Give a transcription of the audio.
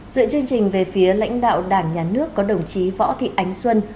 dựa chương trình về phía lãnh đạo đảng nhà nước có đồng chí võ thị ánh xuân